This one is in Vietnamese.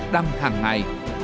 đăng hàng ngày